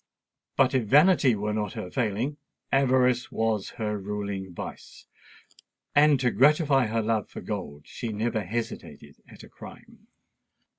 But if vanity were not her failing, avarice was her ruling vice; and to gratify her love for gold she never hesitated at a crime.